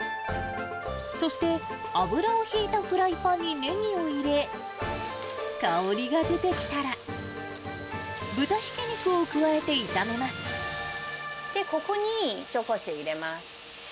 そして油をしいたフライパンにネギを入れ、香りが出てきたら、ここに紹興酒入れます。